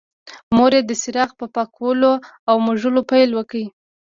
مور یې د څراغ په پاکولو او موږلو پیل وکړ.